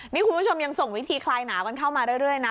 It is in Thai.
นี่คุณผู้ชมยังส่งวิธีคลายหนาวกันเข้ามาเรื่อยนะ